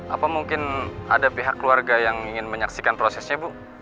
apa mungkin ada pihak keluarga yang ingin menyaksikan prosesnya bu